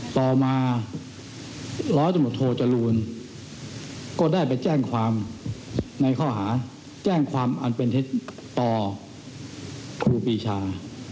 ต่อมาร้อยตำรวจโทจรูลก็ได้ไปแจ้งความในข้อหาแจ้งความอันเป็นเท็จต่อครูปีชา